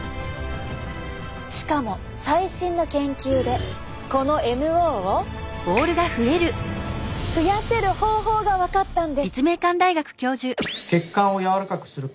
しかも最新の研究でこのＮＯを増やせる方法が分かったんです。